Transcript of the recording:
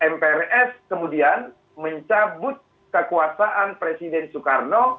mprs kemudian mencabut kekuasaan presiden soekarno